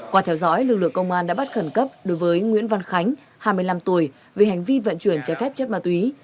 qua theo dõi lực lượng công an đã bắt khẩn cấp đối với nguyễn văn khánh hai mươi năm tuổi về hành vi vận chuyển trái phép chất ma túy